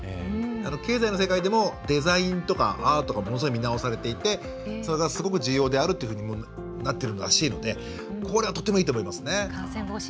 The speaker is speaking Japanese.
経済の世界でもデザインアートとか見直されていてそれが、すごく重要であるというふうになってるらしいのでこれは、とてもいいと思います。